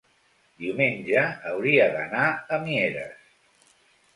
diumenge hauria d'anar a Mieres.